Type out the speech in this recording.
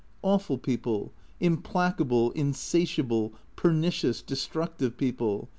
" Awful people, implacable, insa tiable, pernicious, destructive people.